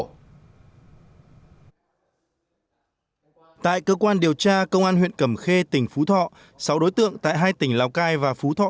tại cơ quan điều tra công an huyện cẩm khê tỉnh phú thọ sáu đối tượng tại hai tỉnh lào cai và phú thọ